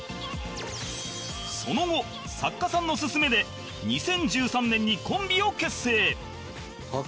その後作家さんの勧めで２０１３年にコンビを結成